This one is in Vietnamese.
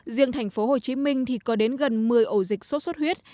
riêng thành phố hồ chí minh thì có đến gần một mươi ổ dịch sốt xuất huyết